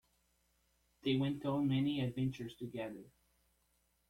They went on many adventures together.